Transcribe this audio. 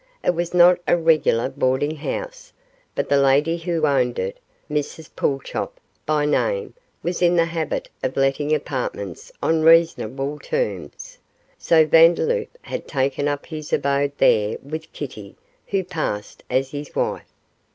It was not a regular boarding house, but the lady who owned it, Mrs Pulchop by name, was in the habit of letting apartments on reasonable terms; so Vandeloup had taken up his abode there with Kitty, who passed as his wife.